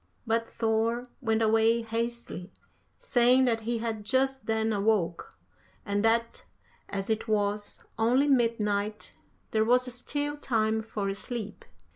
"But Thor went away hastily, saying that he had just then awoke, and that as it was only midnight there was still time for sleep.